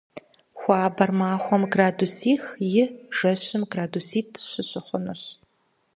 Хуабэр махуэм градусих – и, жэщым градуситӏ - щы щыхъунущ.